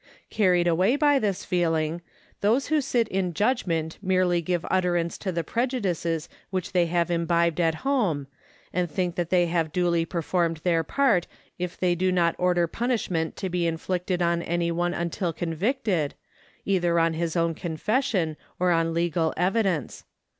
Carried away by this feeling, those who sit in judgment merely give utterance to the prejudices which they have imbibed at home, and think they have duly performed their part if they do not order punishment to be inflicted on any one until convicted, either on his own confession, or on legal evidence.